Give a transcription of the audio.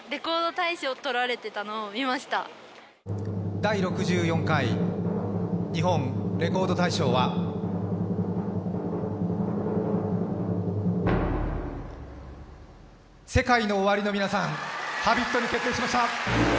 第６４回「日本レコード大賞」はＳＥＫＡＩＮＯＯＷＡＲＩの皆さん「Ｈａｂｉｔ」に決定しました。